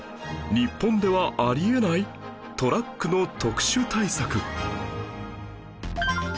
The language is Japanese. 日本ではあり得ないトラックの特殊対策